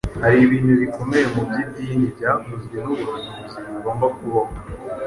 hari ibintu bikomeye mu by’idini byavuzwe n’ubuhanuzi bigomba kubaho.